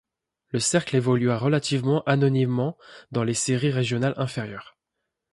Le cercle évolua relativement anonymement dans les séries régionales inférieures.